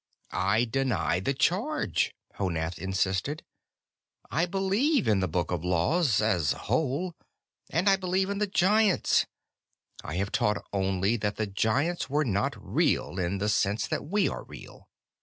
"I deny the charge," Honath insisted. "I believe in the Book of Laws as a whole, and I believe in the Giants. I have taught only that the Giants were not real in the sense that we are real.